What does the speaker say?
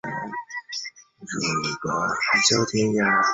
人参被珍视为一种适应原。